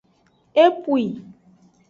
Opwi.